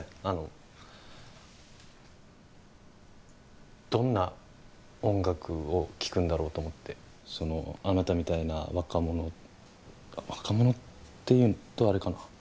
あのどんな音楽を聴くんだろうと思ってそのあなたみたいな若者若者って言うとあれかな